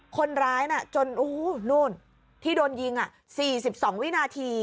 คนร้ายนะจนโอ้โฮโลที่โดนยิงอ่ะสี่สิบสองวินาที